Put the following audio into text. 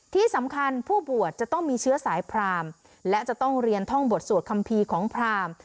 ที่สำคัญผู้บวชจะต้องมีเชื้อสายพรามและจะต้องเรียนท่องบทสวดคัมภีร์ของพราม